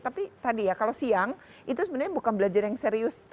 tapi tadi ya kalau siang itu sebenarnya bukan belajar yang serius